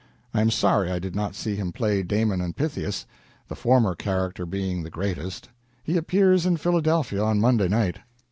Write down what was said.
I am sorry I did not see him play 'Damon and Pythias,' the former character being the greatest. He appears in Philadelphia on Monday night."